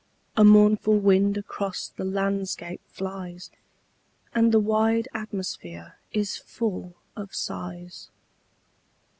A mournful wind across the landscape flies, And the wide atmosphere is full of sighs.